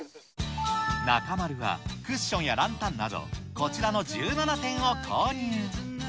中丸は、クッションやランタンなど、こちらの１７点を購入。